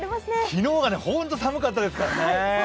昨日がホント寒かったですからね。